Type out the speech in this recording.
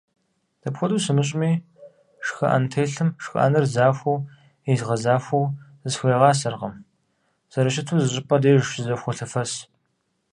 Дапхуэду сымыщӏыми, шхыӏэнтелъым шхыӏэныр захуэу изгъэзагъэу зысхуегъасэркъым, зэрыщыту зыщӏыпӏэ деж щызэхуолъэфэсыр.